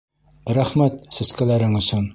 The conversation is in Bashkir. Рәхмәт сәскәләрең өсөн.